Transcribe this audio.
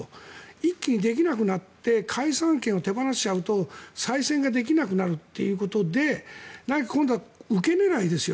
一気にできなくなって解散権を手放しちゃうと再選ができなくなるということで今度は受け狙いですよ。